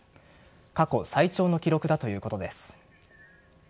過去最長の記録だということです。